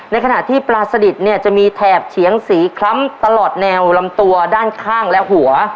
ในขณะปัสลิตจะมีแทบเฉียงสีคล้ำตลอดแนวลำตัวด้านข้างและหัว